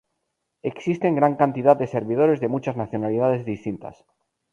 Existen gran cantidad de servidores de muchas nacionalidades distintas.